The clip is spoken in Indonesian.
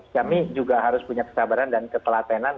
kami juga harus punya kesabaran dan ketelatenan